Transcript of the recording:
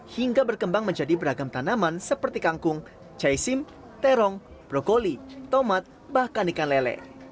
hingga berkembang menjadi beragam tanaman seperti kangkung caisim terong brokoli tomat bahkan ikan lele